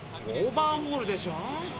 オーバーホールでしょ。